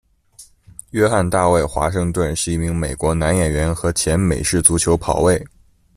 约翰·大卫·华盛顿是一名美国男演员和前美式足球跑卫。